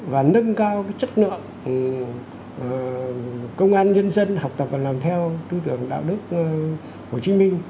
và nâng cao chất lượng công an nhân dân học tập và làm theo tư tưởng đạo đức hồ chí minh